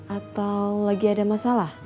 atau lagi ada masalah